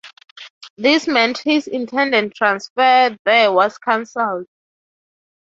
This meant his intended transfer there was cancelled.